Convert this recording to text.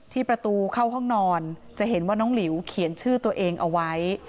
ประตูเข้าห้องนอนจะเห็นว่าน้องหลิวเขียนชื่อตัวเองเอาไว้